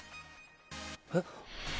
えっ？